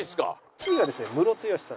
１位がですねムロツヨシさん